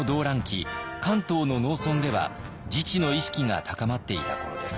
関東の農村では自治の意識が高まっていた頃です。